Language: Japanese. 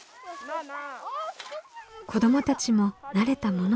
子どもたちも慣れたもの。